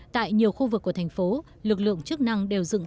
tại nhiều khu vực của thành phố lực lượng chức năng đều dựng